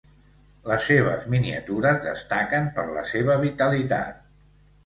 Les seves miniatures destaquen per la seva vitalitat.